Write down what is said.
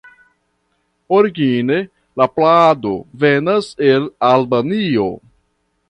Origine la plado venas el Albanio.